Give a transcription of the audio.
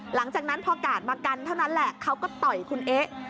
หลังจากนั้นพอกาดมากันเท่านั้นแหละเขาก็ต่อยคุณเอ๊ะ